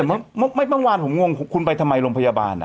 ไม่แต่บางวันผมงงคุณไปทำไมลงพยาบาล